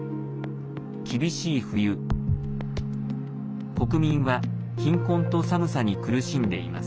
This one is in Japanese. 厳しい冬、国民は貧困と寒さに苦しんでいます